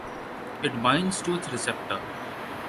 It binds to its receptor.